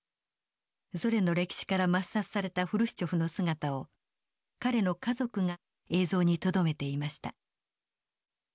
ソ連の歴史から抹殺されたフルシチョフの姿を彼の家族が映像にとどめていました。